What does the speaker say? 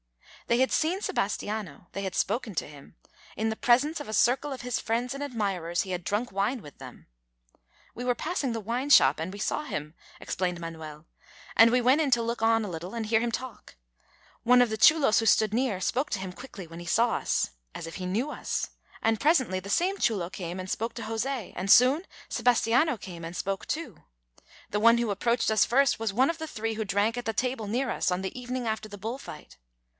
They had seen Sebastiano; they had spoken to him; in the presence of a circle of his friends and admirers he had drunk wine with them. "We were passing the wine shop and we saw him," explained Manuel, "and we went in to look on a little and hear him talk. One of the chulos who stood near spoke to him quickly when he saw us as if he knew us and presently the same chulo came and spoke to José, and soon Sebastiano came and spoke too. The one who approached us first was one of the three who drank at the table near us on the evening after the bull fight.